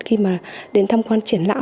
khi mà đến tham quan triển